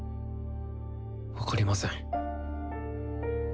分かりません。